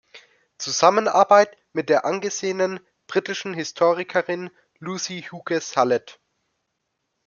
Zusammenarbeit mit der angesehenen britischen Historikerin Lucy Hughes-Hallett.